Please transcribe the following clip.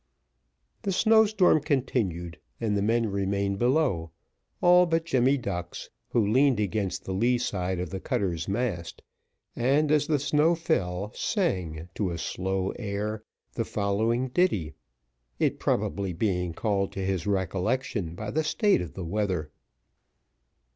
The snow storm continued, and the men remained below, all but Jemmy Ducks, who leaned against the lee side of the cutter's mast, and, as the snow fell, sang, to a slow air, the following ditty, it probably being called to his recollection by the state of the weather.